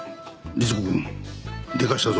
りつ子くんでかしたぞ。